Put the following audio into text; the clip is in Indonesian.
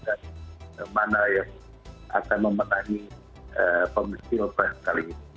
dan mana yang akan mempertahankan pemilihan presiden kali ini